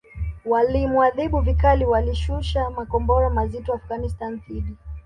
walimuadhibu vikali Walishusha makombora mazito Afghanistan dhidi